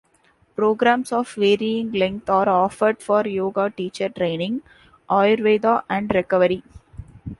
Programs of varying length are offered for yoga teacher training, ayurveda, and recovery.